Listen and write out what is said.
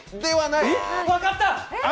分かった。